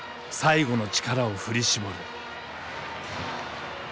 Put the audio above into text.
最後の力を振り絞る。